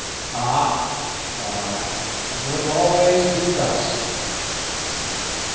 "Ah," thought I, "will it always be thus?"